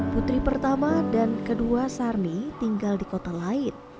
putri pertama dan kedua sarmi tinggal di kota lain